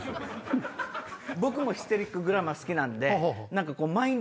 僕もヒステリックグラマー好きなんで。